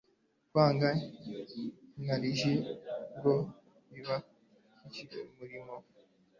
kwanga inarijye ngo bibakundishe umurimo